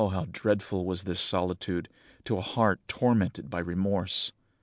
how dreadful was this solitude, to a heart tormented by remorse!